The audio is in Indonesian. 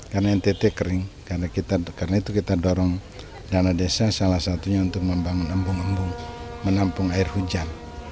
karena ntt kering karena itu kita dorong dana desa salah satunya untuk membangun embung embung menampung air hujan